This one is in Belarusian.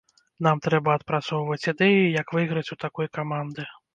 Нам трэба адпрацоўваць ідэі, як выйграць у такой каманды.